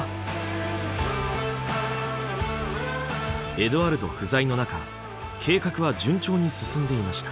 エドアルド不在の中計画は順調に進んでいました。